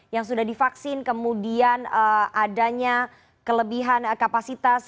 yang sudah divaksin kemudian adanya kelebihan kapasitas